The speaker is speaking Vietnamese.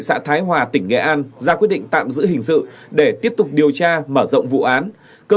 xã thái hòa tỉnh nghệ an ra quyết định tạm giữ hình sự để tiếp tục điều tra mở rộng vụ án cơ